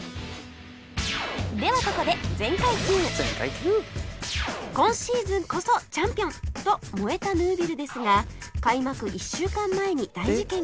ではここで「今シーズンこそチャンピオン！」と燃えたヌービルですが開幕１週間前に大事件が起きました